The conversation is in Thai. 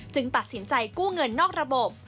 ตัดสินใจกู้เงินนอกระบบ